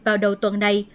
vào đầu tuần này